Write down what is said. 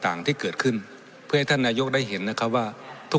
ต่างที่เกิดขึ้นเพื่อให้ท่านนายกได้เห็นนะครับว่าทุก